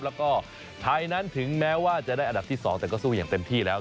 แล้วก็ไทยนั้นถึงแม้ว่าจะได้อันดับที่๒แต่ก็สู้อย่างเต็มที่แล้ว